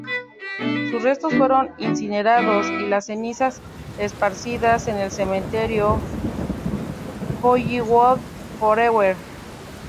Sus restos fueron incinerados, y las cenizas esparcidas en el Cementerio Hollywood Forever.